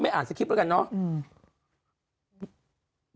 ไม่อ่านสกริปแล้วกันเนาะ